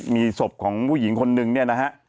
มีศพของผู้หญิงคนนึงเนี่ยนะฮะ